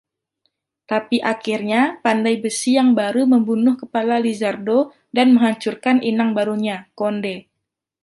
Tapi akhirnya, Pandai besi yang baru membunuh kepala Lizardo dan menghancurkan inang barunya, Konde.